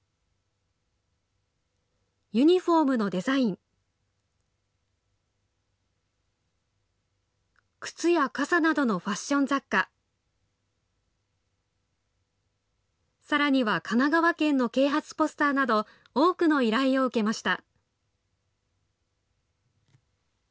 ユニホームのデザイン、靴や傘などのファッション雑貨、さらには神奈川県の啓発ポスターなど、多くの依頼を受けました。